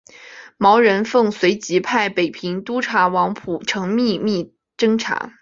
毛人凤随即派北平督察王蒲臣秘密侦查。